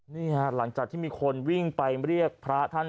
นี่ฮะหลังจากที่มีคนวิ่งไปเรียกพระท่าน